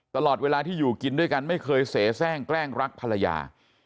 ตลอดเวลาที่อยู่กินด้วยกันไม่เคยเสียแทร่งแกล้งรักภรรยา